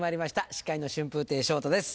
司会の春風亭昇太です